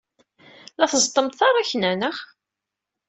La tẓeṭṭemt taṛakna, naɣ?